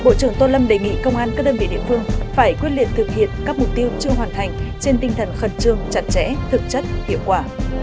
bộ trưởng tô lâm đề nghị công an các đơn vị địa phương phải quyết liệt thực hiện các mục tiêu chưa hoàn thành trên tinh thần khẩn trương chặt chẽ thực chất hiệu quả